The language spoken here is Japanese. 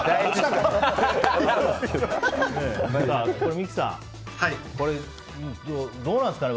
三木さん、どうなんですかね。